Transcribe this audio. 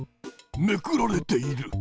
めくられている。